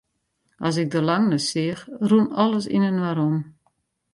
As ik der lang nei seach, rûn alles yninoar om.